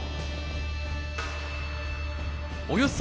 およそ